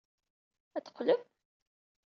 Ad d-teqqlem?